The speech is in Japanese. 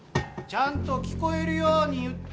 ちゃんと聞こえるように。